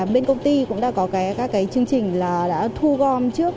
bên công ty cũng đã có các chương trình thu gom trước